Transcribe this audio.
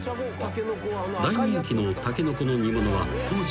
［大人気のタケノコの煮物は当時から健在］